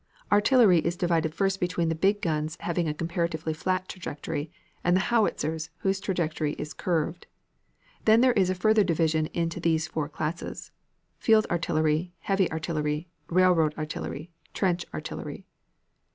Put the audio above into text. Artillery is divided first between the big guns having a comparatively flat trajectory and the howitzers whose trajectory is curved. Then there is a further division into these four classes: Field artillery, Heavy artillery, Railroad artillery, Trench artillery.